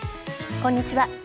こんにちは。